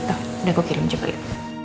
udah gue kirim cepet ya